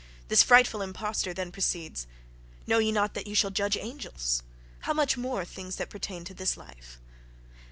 This frightful impostor then proceeds: "Know ye not that we shall judge angels? how much more things that pertain to this life?"...